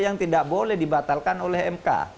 yang tidak boleh dibatalkan oleh mk